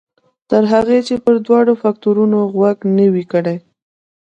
تر هغې چې پر دواړو فکټورنو غور نه وي کړی.